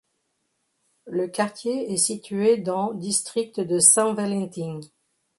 Le quartier est situé dans district de São Valentim.